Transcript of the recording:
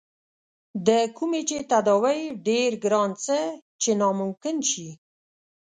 د کومې چې تداوے ډېر ګران څۀ چې ناممکن شي